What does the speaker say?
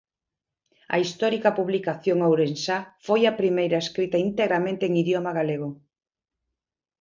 A histórica publicación ourensá foi a primeira escrita integramente en idioma galego.